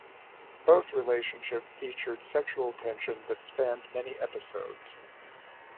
Both relationships featured sexual tension that spanned many episodes.